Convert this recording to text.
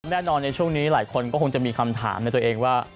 แน่นอนในช่วงนี้หลายคนก็คงจะมีคำถามในตัวเองว่า